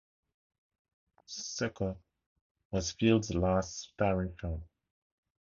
"Sucker" was Fields' last starring film.